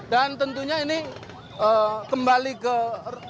dan tentunya ini kembali ke kawasan